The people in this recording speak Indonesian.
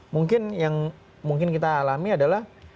mungkin yang mungkin kita alami adalah